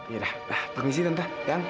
yaudah permisi tante